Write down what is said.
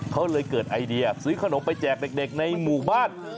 เขาเลยเกิดไอเดียซื้อขนมไปแจกเด็กในหมู่บ้าน